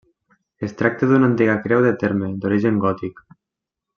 Es tracta d'una antiga creu de terme d'origen gòtic.